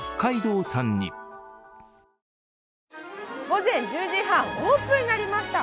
午前１０時半、オープンになりました。